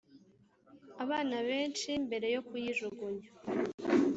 abana benshi mbere yo kuyijugunya